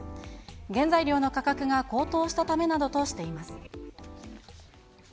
原材料の価格が高騰したためなどとしています。